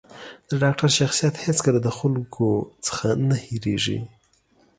د ډاکتر شخصیت هېڅکله د خلکو ځکه نه هېرېـږي.